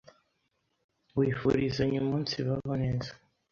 wifurizanya umunsibaho neza